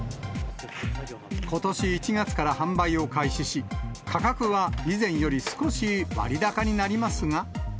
ことし１月から販売を開始し、価格は以前より少し割高になりますが。